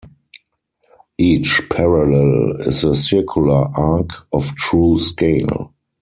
Each parallel is a circular arc of true scale.